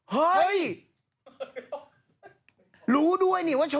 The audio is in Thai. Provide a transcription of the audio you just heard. เฮ้ยรู้ด้วยนี่ว่า